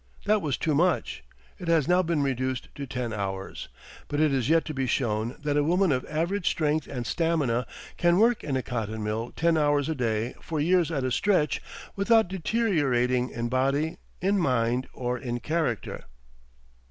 That was too much. It has now been reduced to ten hours; but it is yet to be shown that a woman of average strength and stamina can work in a cotton mill ten hours a day for years at a stretch, without deteriorating in body, in mind, or in character.